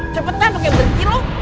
cepetan pake bencin lu